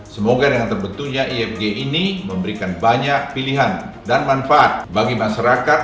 semoga dengan terbentuknya ifg ini memberikan banyak pilihan dan manfaat bagi masyarakat